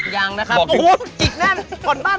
ยังนะครับโอ้โหจิกแน่น